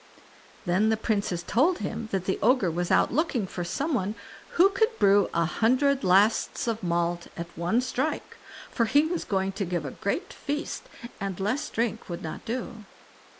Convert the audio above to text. Then the Princess told him the Ogre was out looking for some one who could brew a hundred lasts of malt at one strike, for he was going to give a great feast, and less drink wouldn't do.